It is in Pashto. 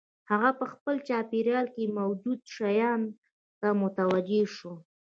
هغه په خپل چاپېريال کې موجودو شيانو ته متوجه شو.